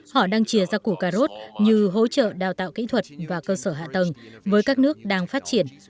họ đang chia ra củ cà rốt như hỗ trợ đào tạo kỹ thuật và cơ sở hạ tầng với các nước đang phát triển